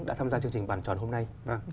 đã tham gia chương trình bàn tròn hôm nay